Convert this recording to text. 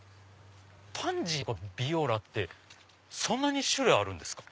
パンジーとかビオラってそんなに種類あるんですか？